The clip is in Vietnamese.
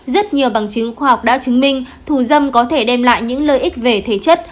rất nhiều bằng chứng khoa học đã chứng minh thù dâm có thể đem lại những lợi ích về thể chất